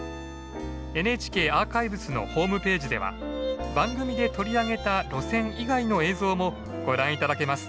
ＮＨＫアーカイブスのホームページでは番組で取り上げた路線以外の映像もご覧頂けます。